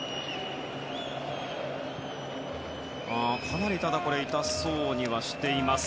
かなり痛そうにはしています。